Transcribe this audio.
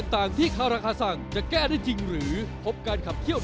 ถ้าบอกว่าคุณแหม่นสุริภาจะเสียใจ